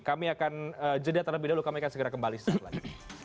kami akan jelaskan lebih dulu kami akan segera kembali setelah ini